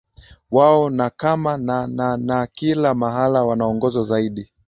wao na kama na na na kila mahala wanaongozwa zaidi